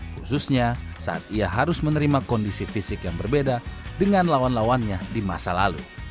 khususnya saat ia harus menerima kondisi fisik yang berbeda dengan lawan lawannya di masa lalu